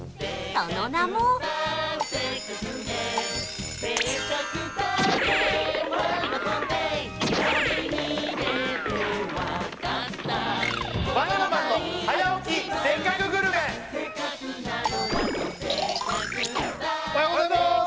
その名もおはようございます！